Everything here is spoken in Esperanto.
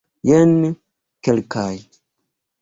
Jen kelkaj.